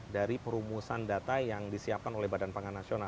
dari perumusan data yang disiapkan oleh bpn